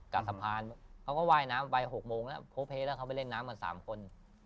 กับสะพานเขาก็ว่ายน้ำไป๖โมงแล้วโพเพแล้วเขาไปเล่นน้ำกัน๓คน